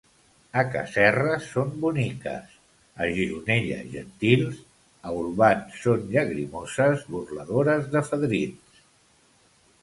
A Casserres són boniques, a Gironella, gentils, a Olvan són llagrimoses, burladores de fadrins.